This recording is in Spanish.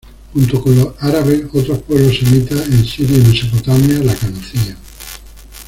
Junto con los árabes otros pueblos semitas en Siria y Mesopotamia la conocían.